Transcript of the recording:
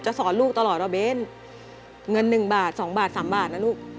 จะสอนลูกตลอดเราเบ้นเงินหนึ่งบาทสองบาทสามบาทนะลูก